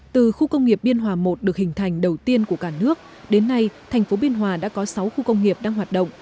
từ khu công nghiệp biên hòa i được hình thành đầu tiên của cả nước đến nay thành phố biên hòa đã có sáu khu công nghiệp đang hoạt động